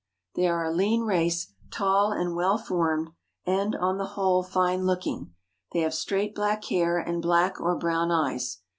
They are a lean race, tall and well formed and, on the whole, fine looking. They have straight black hair and black or brown eyes.